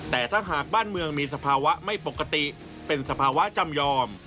แต่ถ้าหากบ้านเมืองมีสภาวะไม่ปกติเป็นสภาวะจำยอม